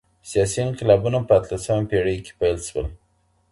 سیاسي انقلابونه په اتلسمه پیړۍ کي پیل سول.